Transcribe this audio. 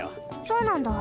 そうなんだ。